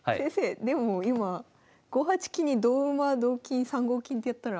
でも今５八金に同馬同金３五金ってやったら。